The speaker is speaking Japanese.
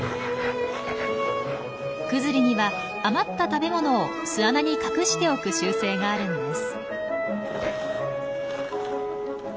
クズリには余った食べ物を巣穴に隠しておく習性があるんです。